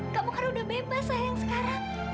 kamu kan udah bebas sayang sekarang